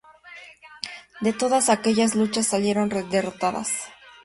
De todas aquellas luchas salieron derrotados.